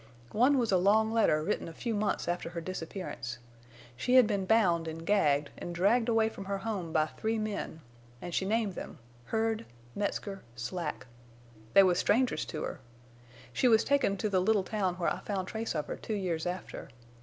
One was a long letter written a few months after her disappearance. She had been bound an' gagged an' dragged away from her home by three men, an' she named them—Hurd, Metzger, Slack. They was strangers to her. She was taken to the little town where I found trace of her two years after.